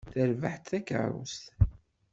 Terbeḥ-d takeṛṛust.